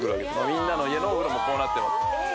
みんなの家のお風呂もこうなってます